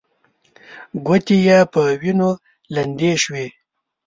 ګوتې يې په وينو لندې شوې.